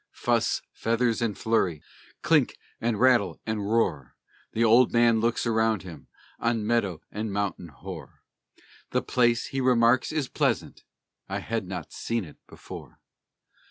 Fuss, and feathers, and flurry Clink, and rattle, and roar The old man looks around him On meadow and mountain hoar; The place, he remarks, is pleasant, I had not seen it before.